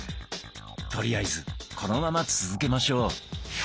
とりあえずこのまま続けましょう。